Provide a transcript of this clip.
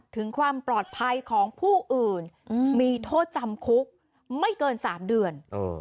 ถึงความปลอดภัยของผู้อื่นมีโทษจำคุกไม่เกิน๓เดือน